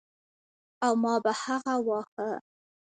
او ما به هغه واهه.